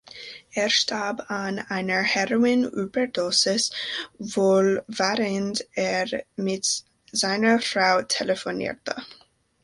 Er starb an einer Heroin-Überdosis, wohl während er mit seiner Frau telefonierte.